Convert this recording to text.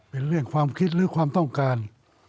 เป็นเรื่องความคิดหรือความต้องการ